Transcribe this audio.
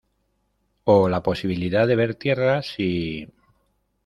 o la posibilidad de ver tierra si...